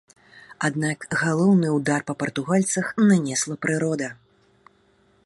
Аднак галоўны ўдар па партугальцах нанесла прырода.